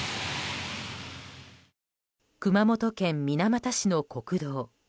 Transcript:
熊本県水俣市の国道。